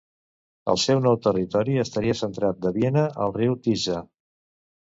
El seu nou territori estaria centrat de Viena al riu Tisza.